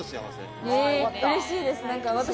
えうれしいです。